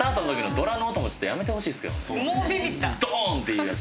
ドーン！っていうやつ。